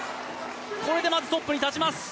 まずトップに立ちます。